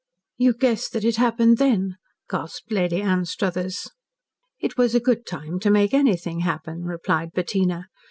"You guessed that it happened then," gasped Lady Anstruthers. "It was a good time to make anything happen," replied Bettina.